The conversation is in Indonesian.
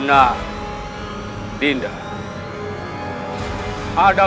saya vain te delegasi